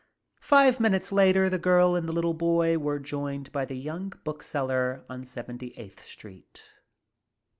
Five minutes later the girl and the little boy were joined by the young bookseller on Seventy eighth Street.